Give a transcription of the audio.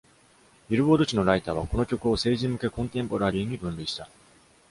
『ビルボード』誌のライターは、この曲を成人向けコンテンポラリーに分類した。